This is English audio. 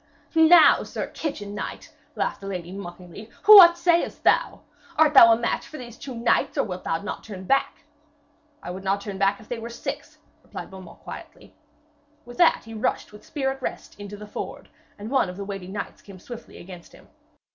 'Now, sir kitchen knight,' laughed the lady mockingly, 'what sayest thou? Art thou a match for these two knights, or wilt thou not turn back?' 'I would not turn if they were six,' replied Beaumains quietly. With that he rushed, with spear at rest, into the ford, and one of the waiting knights came swiftly against him.